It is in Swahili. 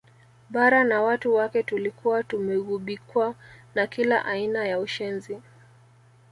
Bara na watu wake tulikuwa tumeghubikwa na kila aina ya ushenzi